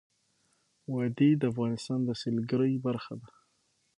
وادي د افغانستان د سیلګرۍ برخه ده.